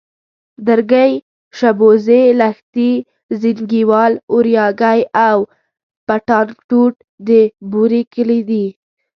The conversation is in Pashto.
درگۍ، شبوزې، لښتي، زينگيوال، اورياگی او پټانکوټ د بوري کلي دي.